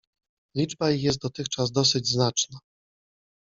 Liczba ich jest dotychczas dosyć znaczna.